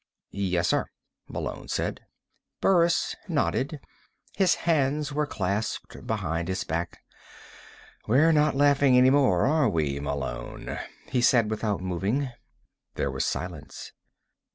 "Yes, sir," Malone said. Burris nodded. His hands were clasped behind his back. "We're not laughing any more, are we, Malone?" he said without moving. There was silence.